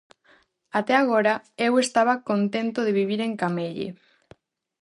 Até agora, eu estaba contento de vivir en Camelle.